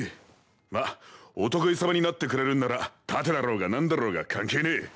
まあお得意様になってくれるんなら盾だろうが何だろうが関係ねえ。